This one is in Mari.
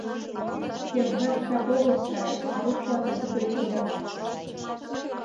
Кержакшак огыл чай, а руш вате тудо ыляк.